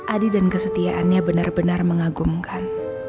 adi dan kesetiaannya benar benar mengagumkan